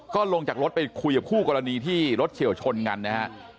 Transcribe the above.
ก็ลงจากรถไปคุยกับคู่กรณีที่รถเฉียวชนกันนะฮะ